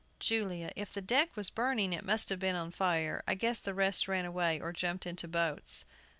JULIA. If the deck was burning, it must have been on fire. I guess the rest ran away, or jumped into boats.